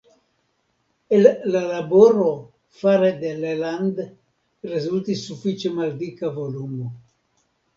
El la laboro fare de Leland rezultis sufiĉe maldika volumo.